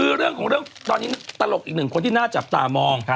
แล้วเรื่องของเรื่องตลกอีกหนึ่งคนที่น่าจับตามอง